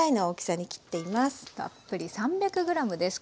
たっぷり３００ｇです。